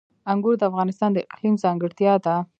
انګور د افغانستان د اقلیم ځانګړتیا ده.